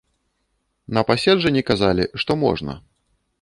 На паседжанні казалі, што можна.